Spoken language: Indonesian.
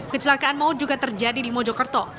kecelakaan maut juga terjadi di mojokerto